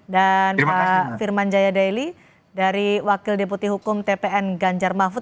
dan pak firman jaya daily dari wakil deputi hukum tpn ganjar mahfud